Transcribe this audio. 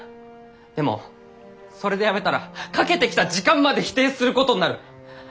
でもそれでやめたらかけてきた時間まで否定することになる！